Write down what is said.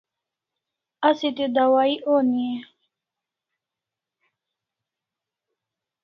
Asi te dawai oni e?